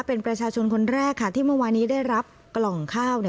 เป็นประชาชนคนแรกค่ะที่เมื่อวานี้ได้รับกล่องข้าว